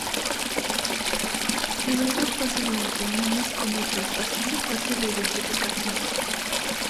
Hibridan fácilmente unas con otras, haciendo difícil la identificación.